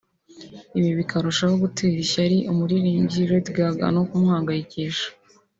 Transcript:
ibi bikarushaho gutera ishyari umuririmbyi Lady Gaga no kumuhangayikisha